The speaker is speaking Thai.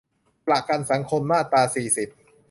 ประกันสังคม มาตรา สี่สิบ